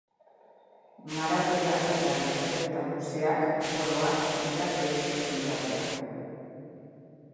Maratoia eta lasterketa luzeak, oro har, dira bere espezialitatea.